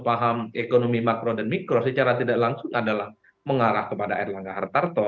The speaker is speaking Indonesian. paham ekonomi makro dan mikro secara tidak langsung adalah mengarah kepada erlangga hartarto